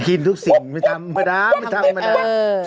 กินทุกสิ่งไม่ทำมาด้าไม่ทำมาด้า